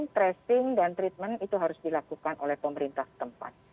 tracing dan treatment itu harus dilakukan oleh pemerintah tempat